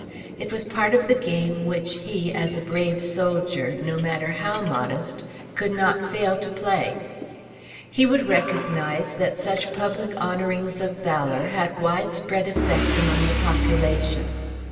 It was part of the game which he, as a brave soldier, no matter how modest, could not fail to play. He would recognise that such public honourings of valour had widespread effect among the population.